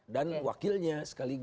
dan wakilnya sekaligus